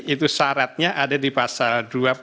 itu syaratnya ada di pasal